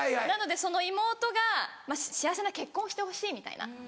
なのでその妹が幸せな結婚をしてほしいみたいな。